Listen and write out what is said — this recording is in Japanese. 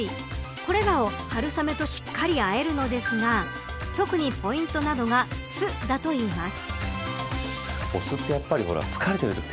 これらを春雨としっかりあえるのですが特にポイントなのが酢だといいます。